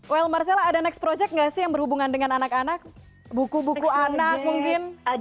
wel marcella ada next project nggak sih yang berhubungan dengan anak anak buku buku anak mungkin